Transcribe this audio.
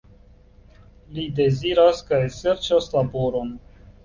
Li deziras kaj serĉas laboron.